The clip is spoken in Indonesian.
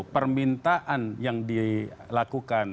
permintaan yang dilakukan